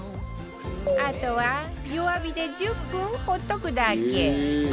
あとは弱火で１０分放っておくだけ